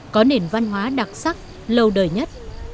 có nền văn hóa đặc sắc lâu đời nhất